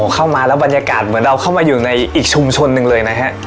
เข้ามาแล้วบรรยากาศเหมือนเราเข้ามาอยู่ในอีกชุมชนหนึ่งเลยนะฮะ